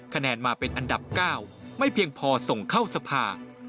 คะแนนมาเป็นอันดับ๙ไม่เพียงพอส่งเข้าสภา